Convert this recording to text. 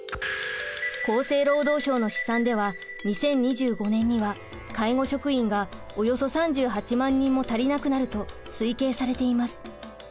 厚生労働省の試算では２０２５年には介護職員がおよそ３８万人も足りなくなると推計されています。